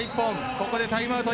ここでタイムアウト